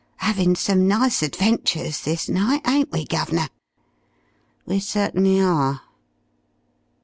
'Avin' some nice adventures this night, ain't we, guv'nor?" "We certainly are."